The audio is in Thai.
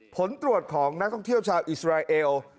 ผลตรวจของนักท่องเที่ยวชาวอิสราเอล